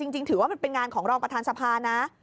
จริงถือว่าเป็นงานของรองประธานสภานะ